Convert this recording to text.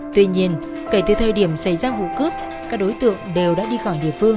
tuy nhiên kể từ thời điểm xảy ra vụ cướp các đối tượng đều đã đi khỏi địa phương